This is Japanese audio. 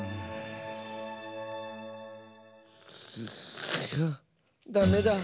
ぐダメだ。